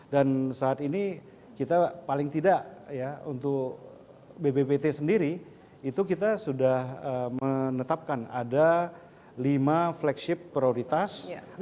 dan saat ini kita paling tidak untuk bpbt sendiri itu kita sudah menetapkan ada lima flagship prioritas